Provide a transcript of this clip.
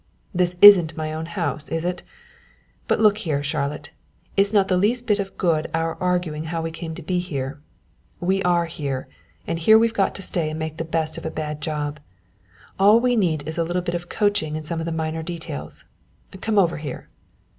"This isn't my own house, is it? But look here, Charlotte, it's not the least bit of good our arguing how we came to be here. We are here, and here we've got to stay and make the best of a bad job. All we need is a little bit of coaching in some of the minor details. Come over here."